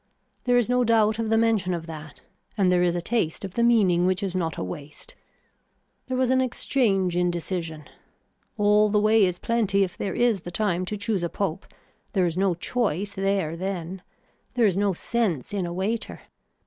There is no doubt of the mention of that and there is a taste of the meaning which is not a waste. There was an exchange in decision. All the way is plenty if there is the time to choose a pope, there is no choice there then, there is no sense in a waiter.